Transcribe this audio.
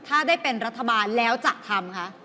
ถ้าได้เป็นรัฐบาลแล้วจะทำคะ